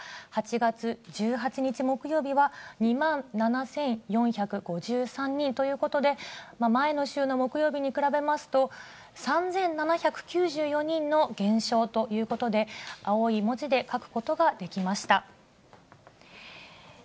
８月１８日木曜日は、２万７４５３人ということで、前の週の木曜日に比べますと、３７９４人の減少ということで、青い文字で書くことができました。